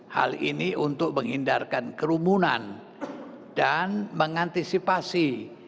hal ini untuk menghindarkan kerumunan dan mengantisipasi